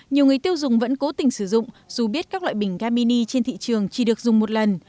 nhiều người tiêu dùng vẫn cố tình sử dụng dù biết các loại bình ga mini trên thị trường chỉ được dùng một lần